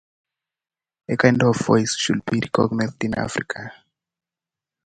A striker, he represented Slovenia at youth level.